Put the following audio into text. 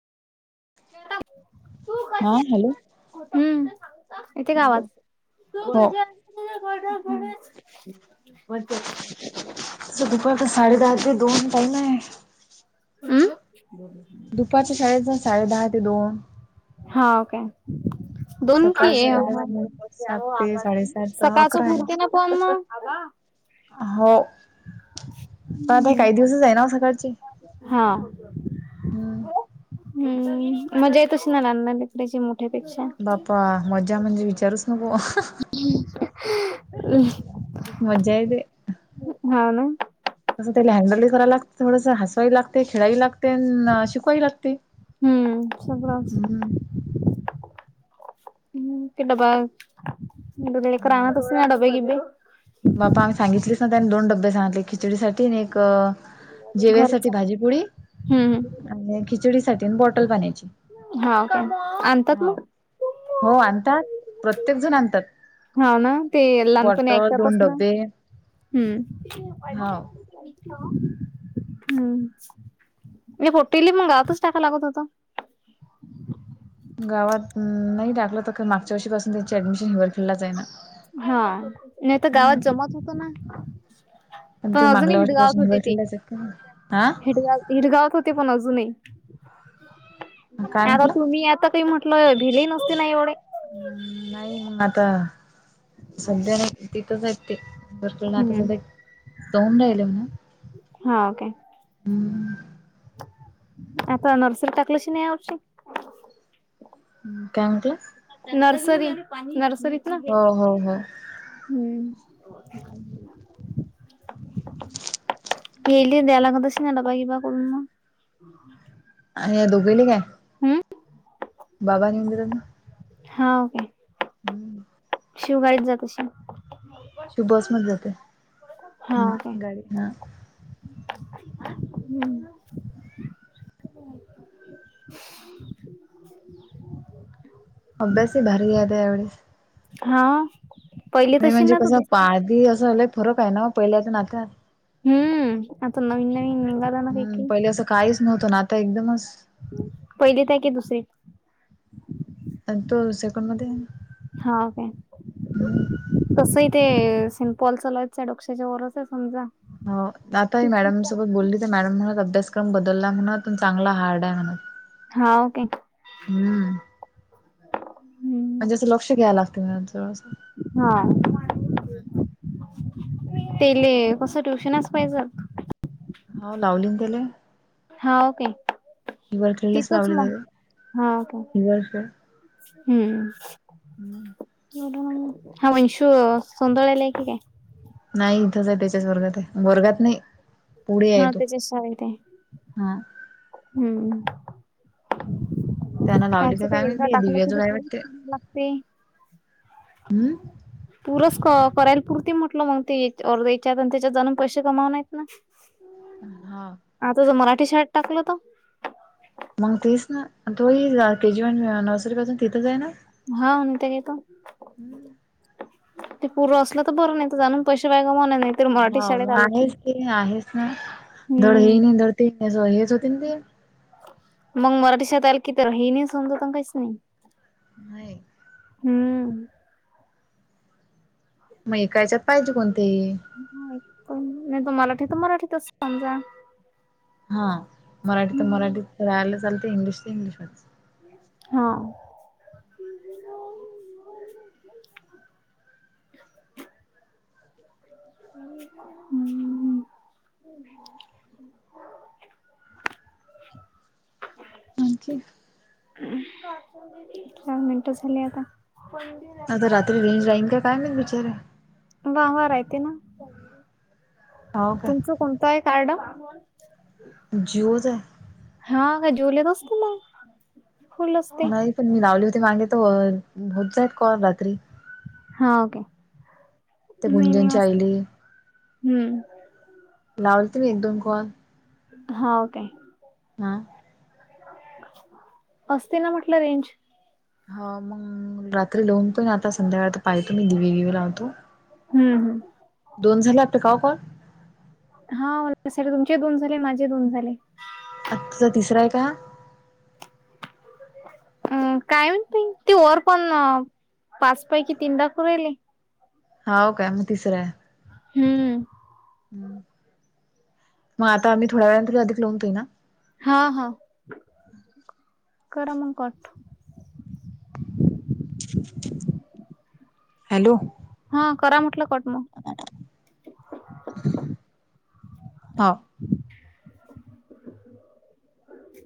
[inaudible] तू हा कशी yes hello ना, खोटं खोटं सागता इथे गावाच [unintelligible] हो. [unintelligible] होते होऊ दे. दुपारच्या, साडेदहा ते दोन टाईम, हाय. अमं. दुपारच्या शाळेचा जा, साडे दहा ते दोन. हाव, काय? दोन सकाळचा की, आहे त्या सात ते [unintelligible] साडेसात सकाळचं पुुरते पण मग. हाव, जाऊदे, बाई काही दिवसच आहे ना सकाळची. हां. हम्म. हम् मजा येतशीना लहान लहान लेकराची मोठ्या पेक्षा बाप्पा मज्जा म्हणजे विचारुस नको खूप मज्जा येते. हा ना तसं त्याला हँडलही करायला लागत थोडं हसवावी लागते, खेळावी लागते आणि शिकवावी लागते हम्म सगळं असतं हम्म हा [unintelligible] [unintelligible] बापा आम्ही सांगितलेच ना त्याने दोन डबे सांगितले खिचडीसाठी आणि एक जेव्यासाठी घरचा भाजीपुडी हम्म आणि खिचडी साठी बॉटल बनायची हा आणतात मग हो आणतात प्रत्येक जण आणतात हाव ना ते लहानपणी बॉटल दोन ऐकाततच डब्बे हम्म हम हाव. [unintelligible] मग गावातच कसा लागत होता गावात नाही टाकलं तर मागच्या वर्षीपासून त्यांची ऍडमिशन हिवर खेडलाच आहे ना हा न तर गावात हम्म जमत होत ना पण प ते अजून मागल्या हिटगावात वर्षीपासून होती ते हिवरखेडलाच आहेत का हा हिटगाव हिटगावात होते पण अजूनही काय आता म्हटलं? तुम्ही आता काही म्हटल भिले नसते ना एवढे नाही मग आता सध्या तिथंच आहेत ते व आता हम्म सध्या तों राहिल म्ह ना हा ओके हम् आता नर्सरी टकलेशी नि या वर्षी काय म्हटलं नर्सरी, नर्सरी हो, हो, हो हम्म हेली द्याय लागत अस डबा, इबा करून मग [unintelligible] आणि या दोघैली काय हम्म बाबानी मंदर [unintelligible] म हा ओके हम्म शिवगााडीच जात अशील शिव बस मत जाते हम् गाडी ना हम्म अभ्यास ही भारी आता या वेळेस हा पहिली नाही तशी म्हणजे ना तू कसं दुसरी पादी असं झालंय फरक आहे ना पहिल्या तर नात्यात हम्म आता नवीन नवीनंगदा ना हम्म काही पहिले असं काहीच नव्हतं ना आता एकदमच पहिलीत आहे की दुसरी आणि तो सेकंड मध्ये हा ओके हम्म तसही ते सेंट पॉल चलावायचं डक्षाच्या वरच आहे समजा हो आता हे मॅडम सोबत बोलली तर मॅडम म्हणत अभ्यासक्रम बदलला म्हणत चांगला हार्ड आहे म्हणत. हाव काय. हम्म, हम्म म्हणजे असं लक्ष घ्याय लागतील म हा. तेले कस ट्युशनच पाहिजेत. हा लावलीन त्याले. हाव काय हिवरखेळलेच तिथच लावली म त्याले हाव काय. हिवरखेळ हम्म. हा वंशु सोंदळ्याला आहे की काय? नाही इथंच आहे त्याच्याच वर्गात आहे वर्गात नाही पुढे आहे हा तो. त्याच्या शाळेत आहे हा. हम्म. त्यांना लावली त्याच का काय एकदा माहिती टाकल्या दिव्याचं की काय प वाटते [inaudible] लागते. [inaudible] पूरच क करायला पुरती म्हटल मग ते अरद याच्यात, त्याच्यात जाणून पैसे कमाव आहेत ना. हा. आता जर मराठी शाळेत टाकलत. मग तेसना तोही के, जी, वान, नर्सरी पासून तिथंच आहे ना. हा ते एक [unintelligible] ते पूर असल तर बर नाही तर जाणून पैसे वाया गमवण येनेन आहे. हा मग आहेच ते आहेच नाही धड हम्म हे नाही धड ती नाही हेच होतेन ते. मग मराठी शाळेत आला की तर हे नाही समजाता काहीच नाही. नाही. हम्म. मग ऐका ह्याचात पाहिजे कोणतही. नाहीतर पण नाही तर मराठी तर मराठीतच समजा. हा मराठी तर मराठी राहायला चालत इंग्लिश ते इंग्लिश होते. हा.. [unintelligible] हम्म.. आणखी? हा चार मिनटं झाले आता आता रात्री रेंज जाईन का? काय माहित विचारे. वा वा राहते ना, हो काय तुमच कोणत आहे कार्ड? जि ओ च आहे. हा का जि ओ ले तर असते मग. फुल असते नाही पण मी लावली होती मागे त होत जात कॉल रात्री. हाव काय [inaudible] त्या मी गुंजनच्या आईले हम्म. लावलते मी एक, दोन कॉल. हा व काय. हा [inaudible] असते ना म्हटलं रेंज. हाव का मग रात्री लावून पण आता संध्याकाळ तर पाहतो मी दिवे, गिवे लावतो. हम्मं हम्मं दोन झाले आंता कांव पणं हां तुमचे दोन झाले माझे दोन झाले. आजचं तिसरं आहे कां हां अंम कायं माहिती वरं पणं पांच पैकी तीनं दाकूंण राहिले. हांव कायं मंग तिसरं आहे. हम्म हं मंग आंता मी थोड्यां वेळां नं तरी अधिक लावूंन पाहिन हां हां करां मंग कॉल. हॅलो हां करां म्हटलं कंट मंग. हांव [unintelligible] [unintelligible]